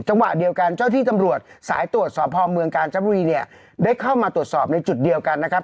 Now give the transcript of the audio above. จังหวะเดียวกันเจ้าที่ตำรวจสายตรวจสอบพอเมืองกาญจนบุรีเนี่ยได้เข้ามาตรวจสอบในจุดเดียวกันนะครับ